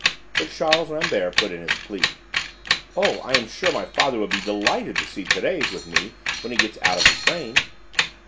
But Charles Rambert put in his plea. "Oh, I am sure my father would be delighted to see Thérèse with me when he gets out of the train."